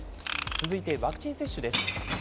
続いてワクチン接種です。